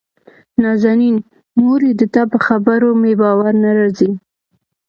نازنين: مورې دتا په خبرو مې باور نه راځي.